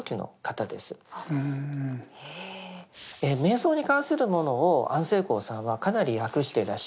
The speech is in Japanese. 瞑想に関するものを安世高さんはかなり訳してらっしゃいます。